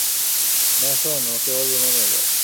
Mason, ওকে ওর রুমে নিয়ে যাও।